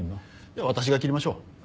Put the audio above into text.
じゃあ私が切りましょう。